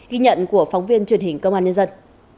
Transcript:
ghi nhận của phóng viên truyền hình công an nhân dân